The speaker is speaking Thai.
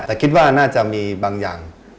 แต่คิดว่าน่าจะมีบางอย่าง